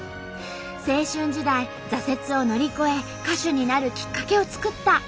青春時代挫折を乗り越え歌手になるきっかけを作ったアゲメシでした。